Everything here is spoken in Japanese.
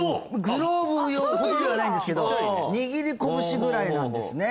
グローブほどではないんですけどちっちゃいね握りこぶしぐらいなんですね